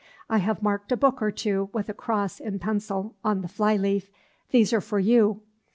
I have marked a book or two with a cross in pencil on the fly leaf; these are for you.